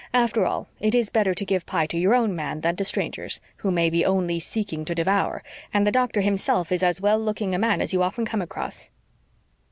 After all, it is better to give pie to your own men than to strangers, who may be only seeking to devour, and the doctor himself is as well looking a man as you often come across."